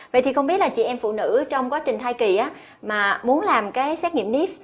vậy thì không biết là chị em phụ nữ trong quá trình thai kỳ mà muốn làm cái xét nghiệm nep